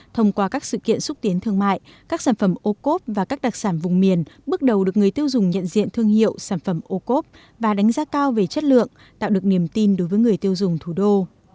thông qua các sự kiện xúc tiến thương mại các sản phẩm ô cốp và các đặc sản vùng miền bước đầu được người tiêu dùng nhận diện thương hiệu sản phẩm ô cốp và đánh giá cao về chất lượng tạo được niềm tin đối với người tiêu dùng thủ đô